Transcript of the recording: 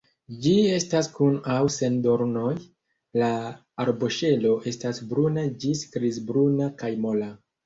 Ĝi estas kun aŭ sen dornoj, la arboŝelo estas bruna ĝis grizbruna kaj mola.